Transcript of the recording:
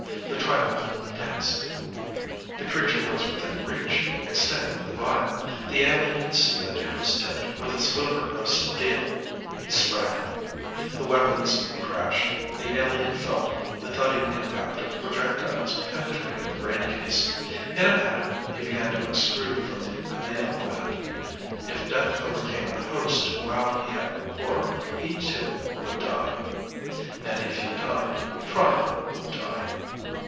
The Triomed tensed. The creature was within reach, extending the vial. The alien could see that it was tipped with a sliver of steel. He sprang The weapons crashed. The alien felt the thudding impact of projectiles penetrating the brain case. In a panic he began to extrude from the pineal gland. If death overcame the host while he had rapport, he, too, would die. And if he died, Triom would die.